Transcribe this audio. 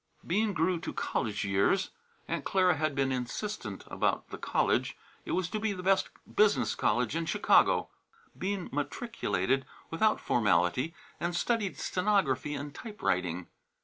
Bean grew to college years. Aunt Clara had been insistent about the college; it was to be the best business college in Chicago. Bean matriculated without formality and studied stenography and typewriting.